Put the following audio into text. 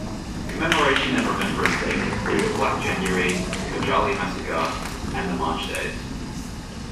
Commemoration and remembrance days include Black January, Khojaly Massacre and the March Days.